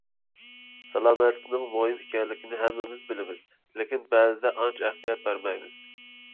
سالامەتلىكنىڭ مۇھىم ئىكەنلىكىنى ھەممىمىز بىلىمىز، لېكىن بەزىدە ئانچە ئەھمىيەت بەرمەيمىز.